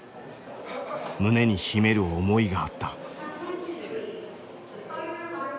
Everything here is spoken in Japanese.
胸に秘める思いがあった。